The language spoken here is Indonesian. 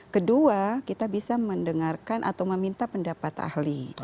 kedua kita bisa mendengarkan atau meminta pendapat ahli